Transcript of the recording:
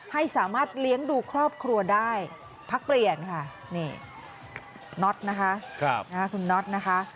ให้สามารถเลี้ยงดูครอบครัวได้พักเปลี่ยนค่ะนี่น็อตนะคะคุณน็อตนะคะ